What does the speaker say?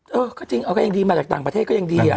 เออก็จริงเอาก็ยังดีมาจากต่างประเทศก็ยังดีอะ